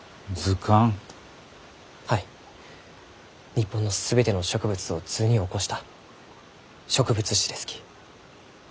日本の全ての植物を図に起こした植物志ですき。